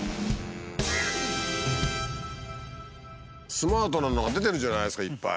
スマートなのが出てるじゃないですかいっぱい。